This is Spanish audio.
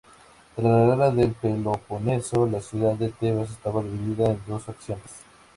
Tras la Guerra del Peloponeso, la ciudad de Tebas estaba dividida en dos facciones.